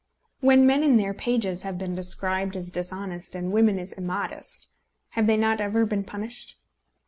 When men in their pages have been described as dishonest and women as immodest, have they not ever been punished?